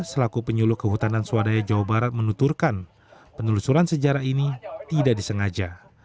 selaku penyuluh kehutanan swadaya jawa barat menuturkan penelusuran sejarah ini tidak disengaja